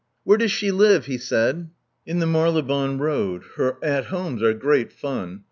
'* Where does she live?" he said. "In the Marylebone Road. Her at homes are great fun.